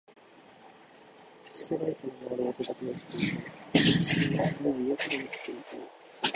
室外機の回る音だけが聞こえた。それはどの家からも聞こえた。